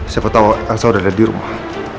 siapa tau elsa udah ada di rumah